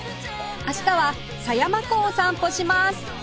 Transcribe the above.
明日は狭山湖を散歩します